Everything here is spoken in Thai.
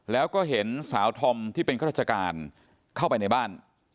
แล้วก็เห็นสาวธอมที่เป็นข้าราชการเข้าไปในบ้าน